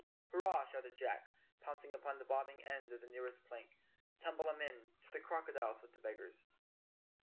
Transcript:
"Hurrah!" shouted Jack, pouncing upon the 'bobbing end of the nearest plank. "Tumble 'em in! To the crocodiles with the beggars!"